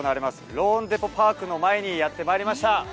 ローンデポ・パークの前にやってまいりました。